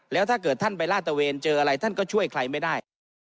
แล้วถ้าเกิดท่านไปลาดตะเวนเจออะไรท่านก็ช่วยใครไม่ได้